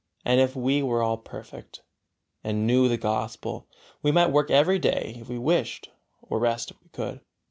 And if we were all perfect, and knew the Gospel, we might work every day if we wished, or rest if we could.